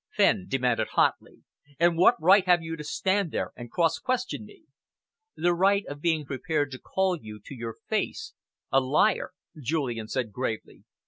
Fenn demanded hotly. "And what right have you to stand there and cross question me?" "The right of being prepared to call you to your face a liar," Julian said gravely.